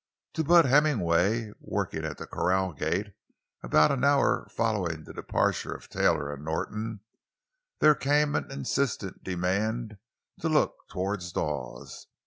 To Bud Hemmingway, working at the corral gate about an hour following the departure of Taylor and Norton, there came an insistent demand to look toward Dawes.